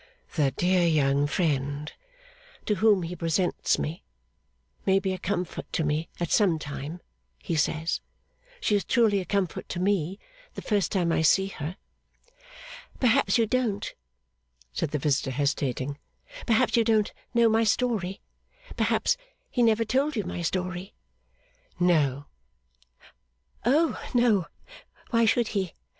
'The dear young friend to whom he presents me, may be a comfort to me at some time, he says. She is truly a comfort to me the first time I see her.' 'Perhaps you don't,' said the visitor, hesitating 'perhaps you don't know my story? Perhaps he never told you my story?' 'No.' 'Oh no, why should he!